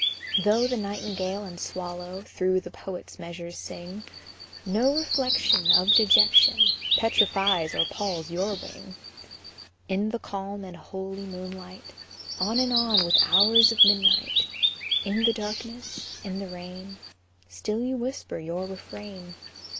Though the nightingale and swallow Through the poet's measures sing, No reflection Of dejection Petrifies or palls your wing. In the calm and holy moonlight, On and on with hours of midnight, In the darkness, in the rain, Still you whisper your refrain.